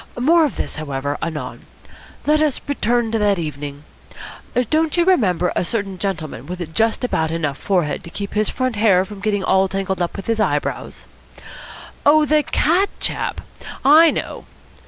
More of this, however, anon. Let us return to that evening. Don't you remember a certain gentleman with just about enough forehead to keep his front hair from getting all tangled up with his eye brows?" "Oh, the cat chap? I know."